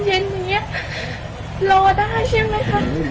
รอเย็นรอได้ใช่ไหมคะ